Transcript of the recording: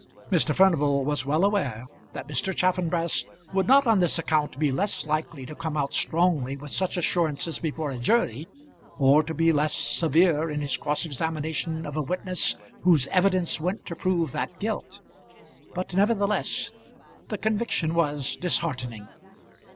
Mr. Furnival was well aware that Mr. Chaffanbrass would not on this account be less likely to come out strongly with such assurances before a jury, or to be less severe in his cross examination of a witness whose evidence went to prove that guilt; but nevertheless the conviction was disheartening.